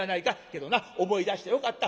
けどな思い出してよかった。